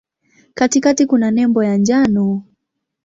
Katikati kuna nembo ya njano.